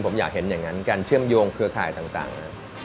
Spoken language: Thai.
ผมอยากเห็นอย่างนั้นการเชื่อมโยงเครือข่ายต่าง